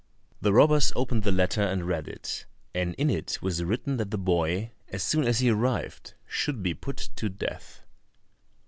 The robbers opened the letter and read it, and in it was written that the boy as soon as he arrived should be put to death.